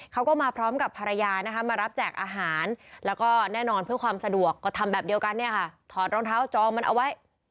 เขาก็มาพร้อมกับภรรยานะคะมารับแจกอาหารแล้วก็แน่นอนเพื่อความสะดวกก็ทำแบบเดียวกันเนี่ยค่ะถอดรองเท้าจองมันเอาไว้